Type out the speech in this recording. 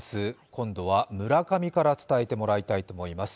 今度は村上から伝えてもらいたいと思います。